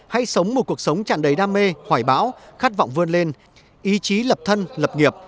hãy sống một cuộc sống chẳng đầy đam mê hoài bão khát vọng vươn lên ý chí lập thân lập nghiệp